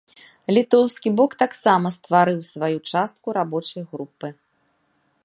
Літоўскі бок таксама стварыў сваю частку рабочай групы.